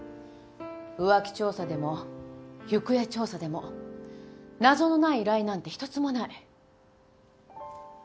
浮気調査でも行方調査でも謎のない依頼なんて一つもない。